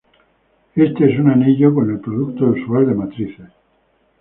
Éste es un anillo con el producto usual de matrices.